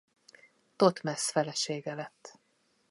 Thotmesz felesége lett.